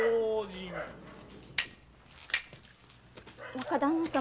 若旦那様。